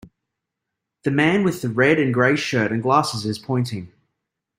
The man with the red and gray shirt and glasses is pointing.